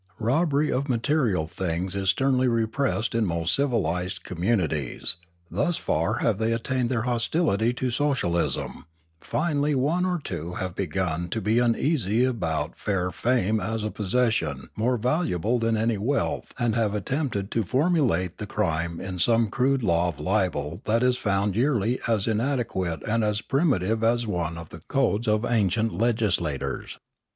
Robbery of material things is sternly repressed in most civilised communi ties; thus far have they attained in their hostility to socialism; finally one or two have begun to be uneasy about fair fame as a possession more valuable than any wealth and have attempted to formulate the crime in some crude law of libel that is found yearly as inade quate and as primitive as one of the codes of ancient legislators.